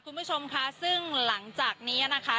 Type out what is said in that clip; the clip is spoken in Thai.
คุณผู้ชมค่ะซึ่งหลังจากนี้นะคะ